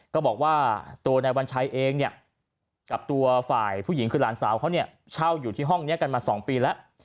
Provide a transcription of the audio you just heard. ก็บอกว่าตัวนายวัญชัยเองเนี่ยกับตัวฝ่ายผู้หญิงคือหลานสาวเขาเนี่ยเช่าอยู่ที่ห้องนี้กันมา๒ปีแล้ว